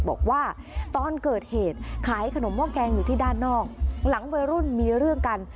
บอกว่าตอนเกิดเหตุขายขนมห้อแกงอยู่ที่ด้านนอกหลังวัยรุ่นมีเรื่องกัน